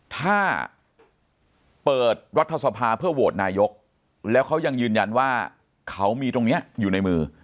ถ้าเปิดรัฐสภาเพื่อโหวตนายกแล้วเขายังยืนยันว่าเขามีตรงนี้อยู่ในมือ